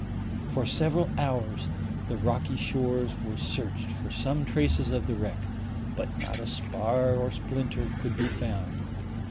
For several hours the rocky shores were searched for some traces of the wreck, but not a spar or splinter could be found.